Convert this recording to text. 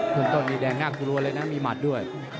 ต้นนี้แดงน่ากลัวเลยนะมีหมัดด้วย